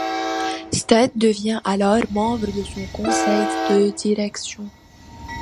Stead devient alors membre de son conseil de direction.